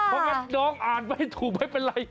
เพราะงั้นน้องอ่านไม่ถูกไม่เป็นไร